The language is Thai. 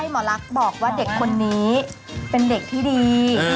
เพราะว่าคนนี้เป็นเด็กที่ดี